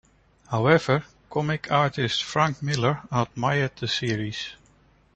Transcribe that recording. However, comics artist Frank Miller admired the series.